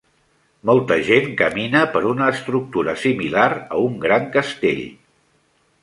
Molta gent camina per una estructura similar a un gran castell.